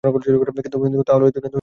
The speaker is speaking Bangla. কিন্তু তা হলেও– চন্দ্র।